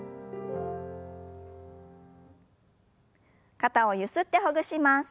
肩をゆすってほぐします。